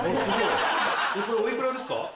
これお幾らですか？